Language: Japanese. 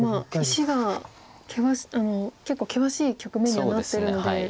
結構険しい局面にはなってるので。